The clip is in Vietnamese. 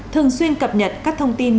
thường xuyên cập nhật các thông tin